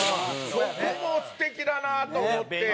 そこも素敵だなと思って。